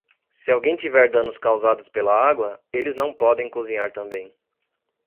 Se alguém tiver danos causados pela água, eles não podem cozinhar também.